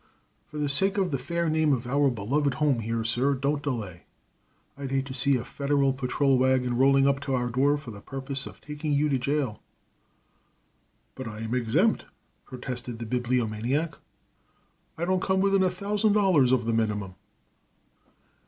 For the sake of the fair name of our beloved home here, sir, don't delay. I'd hate to see a federal patrol wagon rolling up to our door for the purpose of taking you to jail." "But I am exempt," protested the Bibliomaniac. "I don't come within a thousand dollars of the minimum."